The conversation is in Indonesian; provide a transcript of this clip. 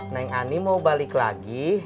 neng ani mau balik lagi